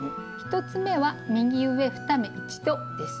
１つ目は「右上２目一度」です。